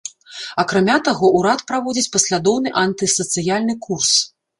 Акрамя таго, урад праводзіць паслядоўны антысацыяльны курс.